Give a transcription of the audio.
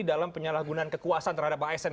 dalam penyalahgunaan kekuasaan terhadap asn